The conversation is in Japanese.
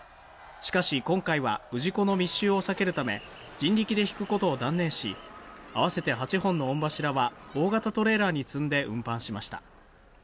しかし今回は氏子の密集を避けるため人力で引くことを断念し合わせて８本の御柱は大型トレーラーに積んで運搬しました。